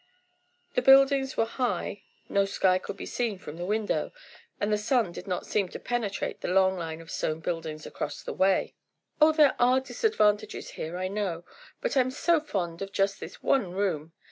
The buildings were high, no sky could be seen from the window, and the sun did not seem to penetrate the long line of stone buildings across the way. "Oh, there are disadvantages here, I know, but I'm so fond of just this one room.